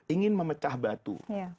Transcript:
ingin memecah batu